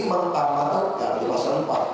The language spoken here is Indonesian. mengamalkan di pasar empat